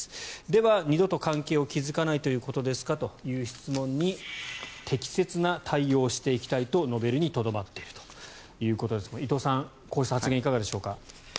では、二度と関係を築かないということですかという質問に適切な対応をしていきたいと述べるにとどまっているということですが伊藤さん、こうした発言いかがでしょうか？